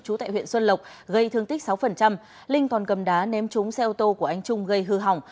trú tại huyện xuân lộc gây thương tích sáu linh còn cầm đá ném trúng xe ô tô của anh trung gây hư hỏng